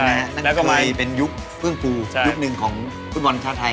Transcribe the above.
นี่เคยเป็นยุคเพื่องคลูยุคหนึ่งสของวิธีอนาภาษาไทย